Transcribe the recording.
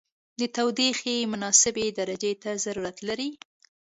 د تودوخې مناسبې درجې ته ضرورت لري.